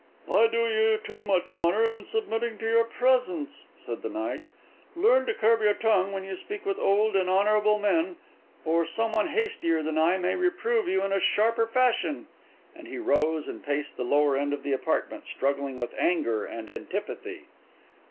"I do you too much honour in submitting to your presence," said the knight. "Learn to curb your tongue when you speak with old and honourable men, or some one hastier than I may reprove you in a sharper fashion." And he rose and paced the lower end of the apartment, struggling with anger and antipathy.